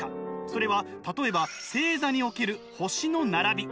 それは例えば星座における星の並び。